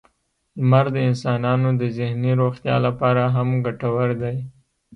• لمر د انسانانو د ذهني روغتیا لپاره هم ګټور دی.